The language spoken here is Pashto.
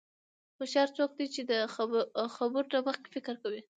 هوښیار څوک دی چې د خبرو نه مخکې فکر کوي.